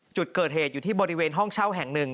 จุดเกิดเหตุอยู่ที่บริเวณห้องเช่าแห่งหนึ่ง